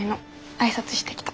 挨拶してきた。